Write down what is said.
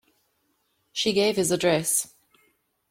She gave his address.